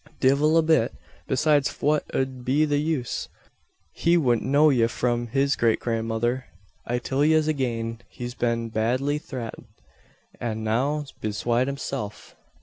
"Divil a bit. Besides fwhat ud be the use? He wudn't know ye from his great grandmother. I till yez agane, he's been badly thrated, an 's now besoide hisself!"